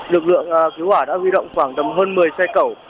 lực lượng cứu hỏa đã di động khoảng tầm hơn một mươi xe cẩu